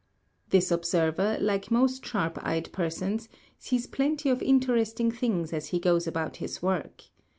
This observer, like most sharp eyed persons, sees plenty of interesting things as he goes about his work.